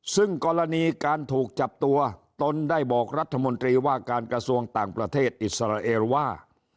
ซึ่งกรณีการถูกจับตัวตนได้บอกรัฐมนตรีว่าการกระทรวงต่างประเทศอิสราเอลว่า